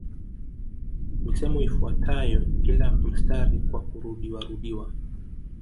Misemo ifuatayo kila mstari kwa kurudiwarudiwa